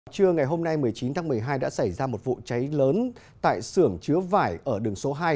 trưa ngày hôm nay một mươi chín tháng một mươi hai đã xảy ra một vụ cháy lớn tại xưởng chứa vải ở đường số hai